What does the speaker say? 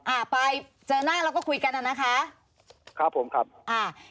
อ่าไปเจอหน้าแล้วก็คุยกันอ่ะนะคะครับผมครับอ่า